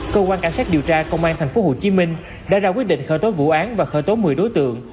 cơ quan cảnh sát điều tra công an tp hcm đã ra quyết định khởi tố vụ án và khởi tố một mươi đối tượng